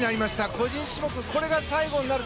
個人種目これが最後になる。